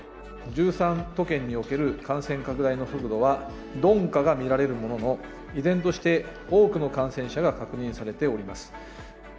都県における感染拡大の速度は鈍化がみられるものの依然として多くの感染者が確認されております